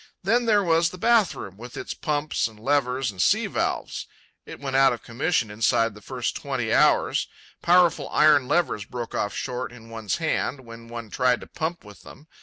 Then there was the bath room with its pumps and levers and sea valves—it went out of commission inside the first twenty hours. Powerful iron levers broke off short in one's hand when one tried to pump with them.